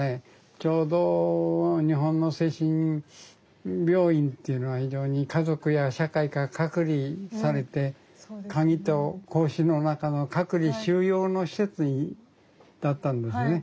ちょうど日本の精神病院っていうのは非常に家族や社会から隔離されてカギと格子の中の隔離収容の施設だったんですね。